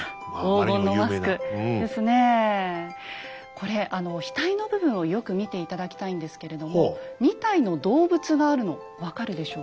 これ額の部分をよく見て頂きたいんですけれども２体の動物があるの分かるでしょうか？